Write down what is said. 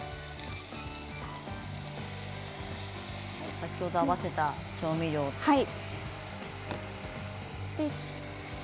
先ほど合わせた調味料ですね。